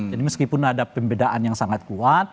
jadi meskipun ada pembedaan yang sangat kuat